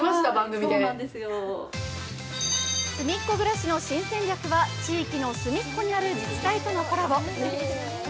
ぐらしの新戦略は地域のすみっコにある自治体とのコラボ。